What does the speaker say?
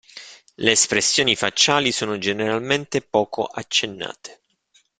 Le espressioni facciali sono generalmente poco accennate.